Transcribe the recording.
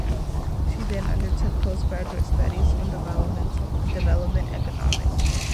She then undertook postgraduate studies on development economics.